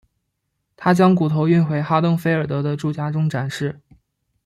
他将骨头运回哈登菲尔德的住家中展示。